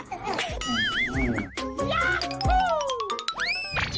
ยาฮู้